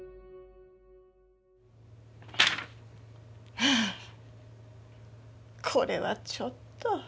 はこれはちょっと。